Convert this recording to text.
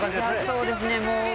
そうですね。